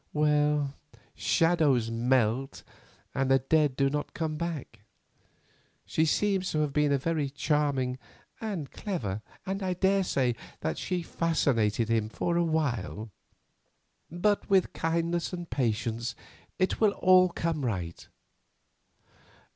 Well, shadows melt, and the dead do not come back. She seems to have been very charming and clever, and I daresay that she fascinated him for a while, but with kindness and patience it will all come right.